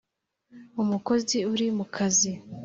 umukozi uri mu kazi